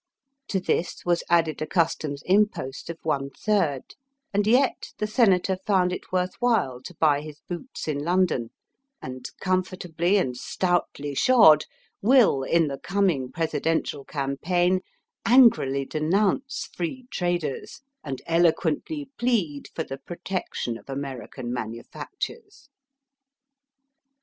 To this was added a Customs impost of one third ; and yet the senator found it worth while to buy his boots in London, and, com fortably and stoutly shod, will in the coming Presidential campaign angrily denounce Free Traders and eloquently plead for the Protection o American manufactures.